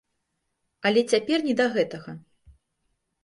Але цяпер не да гэтага.